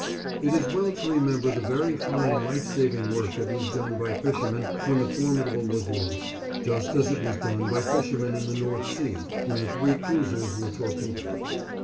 It is well to remember the very fine life saving work that was done by fishermen when the Formidable was lost, just as it was done by fishermen in the North Sea when the three cruisers were torpedoed.